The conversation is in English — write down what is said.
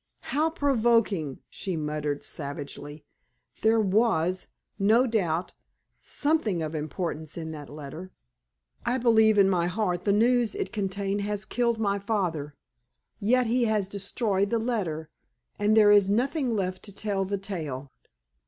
"How provoking!" she muttered, savagely. "There was, no doubt, something of importance in that letter. I believe in my heart that the news it contained has killed my father. Yet he has destroyed the letter, and there is nothing left to tell the tale."